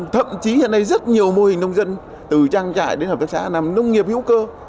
thậm chí hiện nay rất nhiều mô hình nông dân từ trang trại đến hợp tác xã làm nông nghiệp hữu cơ